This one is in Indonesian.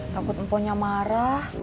takut mponya marah